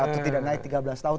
atau tidak naik tiga belas tahun